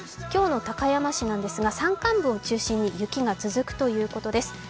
今日の高山市なんですが山間部を中心に雪が続くということです。